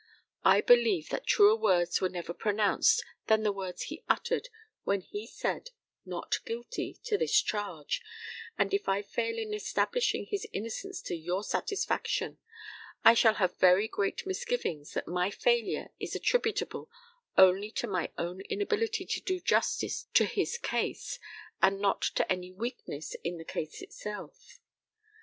I believe that truer words were never pronounced than the words he uttered when he said "Not Guilty" to this charge, and if I fail in establishing his innocence to your satisfaction, I shall have very great misgivings that my failure is attributable only to my own inability to do justice to his case, and not to any weakness in the case itself.